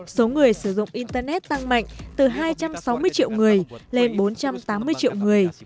số người sử dụng internet tăng mạnh từ hai trăm sáu mươi triệu người lên bốn trăm tám mươi triệu người